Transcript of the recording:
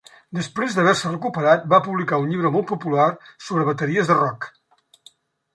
Després d'haver-se recuperat, va publicar un llibre molt popular sobre bateries de rock.